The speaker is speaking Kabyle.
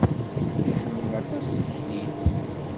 Iḥemmel aṭas tikli.